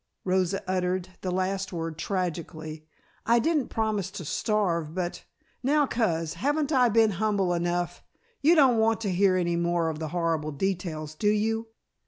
Rosa uttered the last word tragically. "I didn't promise to starve but now, Coz, haven't I been humble enough? You don't want to hear any more of the horrible details, do you?"